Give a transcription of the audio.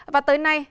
và tới nay